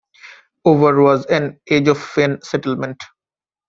Over was an edge-of-fen settlement.